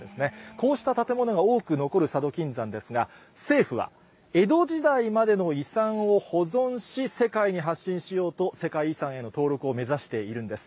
こうした建物が多く残る佐渡金山ですが、政府は江戸時代までの遺産を保存し、世界に発信しようと、世界遺産への登録を目指しているんです。